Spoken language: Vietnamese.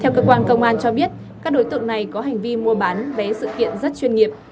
theo cơ quan công an cho biết các đối tượng này có hành vi mua bán vé sự kiện rất chuyên nghiệp